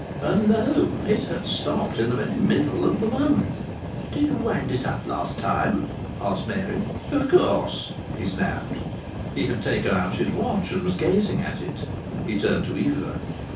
And lo! it had stopped in the very middle of the month. "Did you wind it up last time?" asked Mary. "Of course," he snapped. He had taken out his watch and was gazing at it. He turned to Eva.